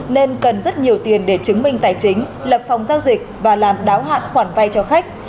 nên cần rất nhiều tiền để chứng minh tài chính lập phòng giao dịch và làm đáo hạn khoản vay cho khách